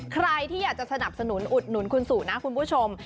ใครที่อยากจะสนับสนุนอุดหนุนคุณสู่นะคุณผู้ชม